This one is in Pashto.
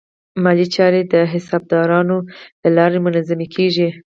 مالي چارې د حسابدارانو له لارې منظمې کېږي.